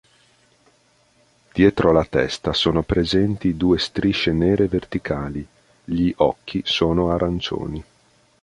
Dietro la testa sono presenti due strisce nere verticali; gli occhi sono arancioni.